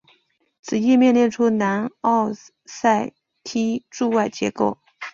此页面列出南奥塞梯驻外机构。